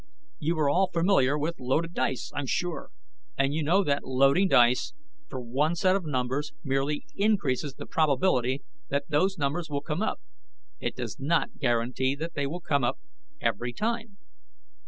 "You are all familiar with loaded dice, I'm sure. And you know that loading dice for one set of numbers merely increases the probability that those numbers will come up; it does not guarantee that they will come up every time.